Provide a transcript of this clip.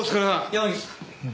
山岸さん。